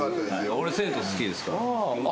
俺銭湯好きですから。